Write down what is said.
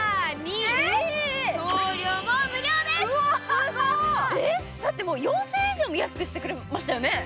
すごーい、だって４０００円以上も安くしてくれましたよね。